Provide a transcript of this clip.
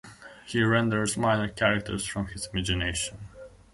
He renders minor characters from his imagination.